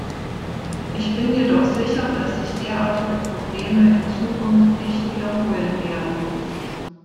Ich bin jedoch sicher, dass sich derartige Probleme in Zukunft nicht wiederholen werden.